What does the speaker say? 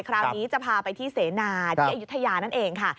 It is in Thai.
คราวนี้จะพาไปที่เสนาที่อายุทยานั่นเองค่ะ